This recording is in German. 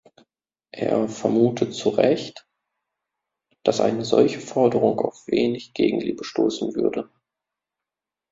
Er vermutet zu Recht, dass eine solche Forderung auf wenig Gegenliebe stoßen würde.